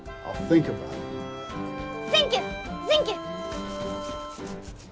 センキューセンキュー。